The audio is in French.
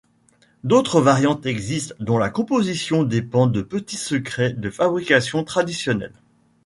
D'autres variantes existent, dont la composition dépend de petits secrets de fabrication traditionnels.